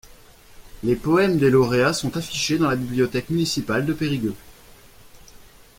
Les poèmes des lauréats sont affichés dans la bibliothèque municipale de Périgueux.